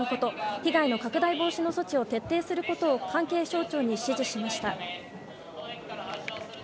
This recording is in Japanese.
被害の拡大防止の措置を徹底することを関係省庁に指示しました。